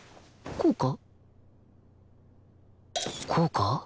こうか？